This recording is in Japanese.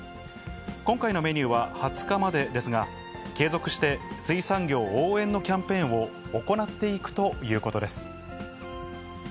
今回のメニューは、２０日までですが、継続して水産業応援のキャンペーンを行っていくということです。